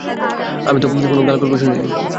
আমি তো কোন গাল-গল্প শুনিনি?